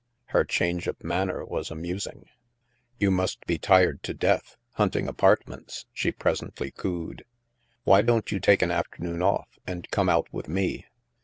Her change of manner was amusing. " You must be tired to death, hunting apart ments," she presently cooed. " Why don't you €4 120 THE MASK take an afternoon off and come out with me?